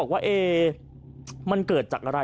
สวัสดีครับ